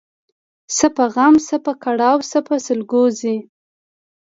څه په غم ، څه په کړاو څه په سلګو ځي